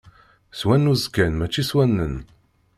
S wannuz kan mačči s wannen!